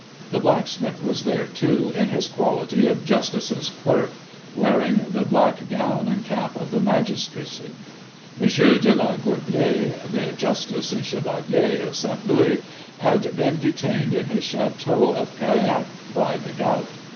The blacksmith was there too in his quality of justice's clerk, wearing the black gown and cap of the magistracy. M. de la Goublaye, the justice and chevalier of Saint Louis, had been detained in his château of Keriennec by the gout.